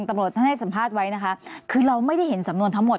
ตำรวจท่านให้สัมภาษณ์ไว้นะคะคือเราไม่ได้เห็นสำนวนทั้งหมด